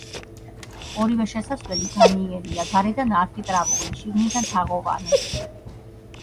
ორივე შესასვლელი განიერია, გარედან არქიტრავული, შიგნიდან თაღოვანი.